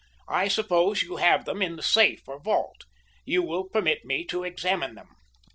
I suppose you have them in the safe or vault. You will permit me to examine them."